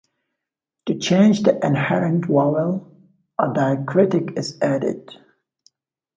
To change the inherent vowel, a diacritic is added.